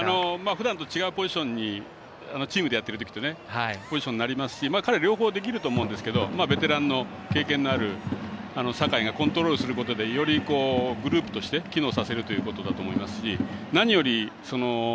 ふだんのチームと違うポジションになりますし彼は両方できると思いますがベテランの経験のある酒井がコントロールすることでよりグループとして機能させるということだと思います。